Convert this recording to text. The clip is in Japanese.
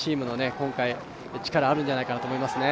今回、力があるんじゃないかなと思いますね。